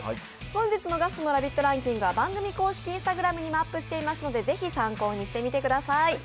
本日のガストのラヴィットランキングは番組公式Ｉｎｓｔａｇｒａｍにもアップしていますのでぜひ参考にしてみてください。